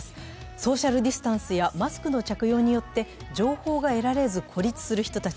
ソーシャルディスタンスやマスクの着用によって情報が得られず孤立する人たち。